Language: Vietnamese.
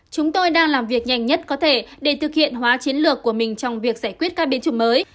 chúng tôi đang làm việc nhanh nhất có thể để thực hiện hóa chiến lược của mình trong việc giải quyết các biến chủng mới